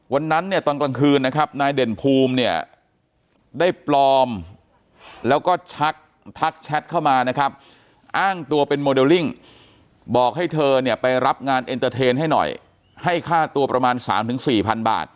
วันนั้นเนี่ยตอนกลางคืนนะครับนายเด่มภูม้์เนี่ยได้ปลอมแล้วก็ชัดทักแชทเข้ามานะครับ